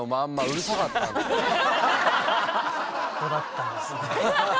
ここだったんですね。